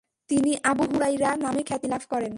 তিনি Abu Hurairah নামে খ্যাতি লাভ করেন।